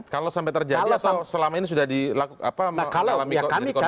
kalau sampai terjadi atau selama ini sudah di lakukan apa